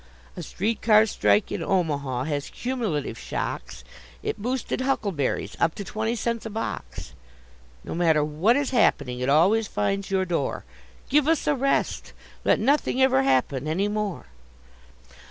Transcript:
A street car strike in Omaha has cumulative shocks It boosted huckleberries up to twenty cents a box. No matter what is happening it always finds your door Give us a rest! Let nothing ever happen any more.